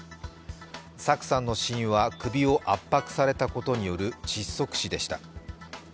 さくさんの死因は、首を圧迫されたことによる窒息死でした。